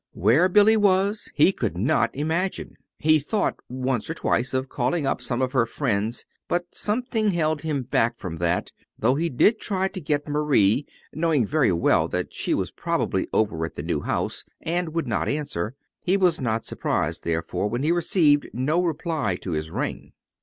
Where Billy was he could not imagine. He thought, once or twice, of calling up some of her friends; but something held him back from that though he did try to get Marie, knowing very well that she was probably over to the new house and would not answer. He was not surprised, therefore, when he received no reply to his ring.